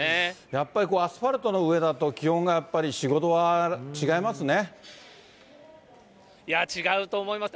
やっぱりアスファルトの上だと、気温がやっぱり４、５度は違いやー、違うと思います。